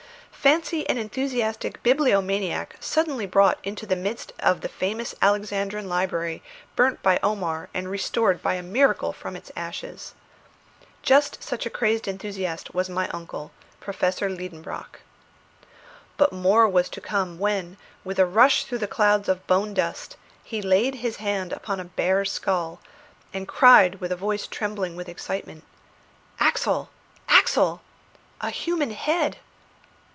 Fancy an enthusiastic bibliomaniac suddenly brought into the midst of the famous Alexandrian library burnt by Omar and restored by a miracle from its ashes! just such a crazed enthusiast was my uncle, Professor Liedenbrock. But more was to come, when, with a rush through clouds of bone dust, he laid his hand upon a bare skull, and cried with a voice trembling with excitement: "Axel! Axel! a human head!"